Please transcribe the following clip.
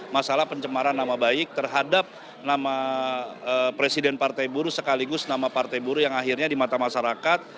masalah pencemaran nama baik terhadap nama presiden partai buruh sekaligus nama partai buruh yang akhirnya di mata masyarakat